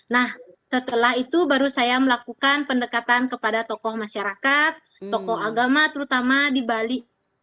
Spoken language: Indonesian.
nah setelah itu baru saya melakukan pendekatan kepada tokoh masyarakat tokoh agama terutama di bali